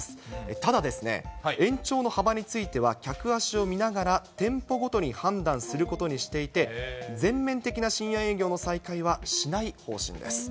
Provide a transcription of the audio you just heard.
ただ、延長の幅については、客足を見ながら店舗ごとに判断することにしていて、全面的な深夜営業の再開はしない方針です。